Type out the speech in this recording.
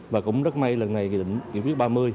và cũng rất may lần này nghị quyết ba mươi